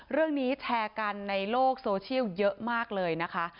เรื่องนี้แชร์กันในโลกโซเชียลเยอะมากเลยนะคะ